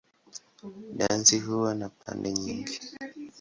Dansi huwa na pande nyingi.